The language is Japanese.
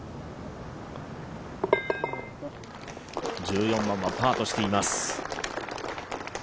１４番はパーとしています。